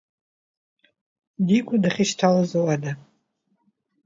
Дигәа дахьышьҭалоз ауада…